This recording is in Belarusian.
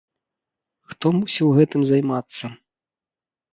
Хто мусіў гэтым займацца?